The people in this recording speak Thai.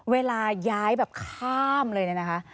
เวลาย้ายแบบข้ามเลยเนี่ยนะคะ